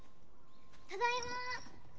ただいま！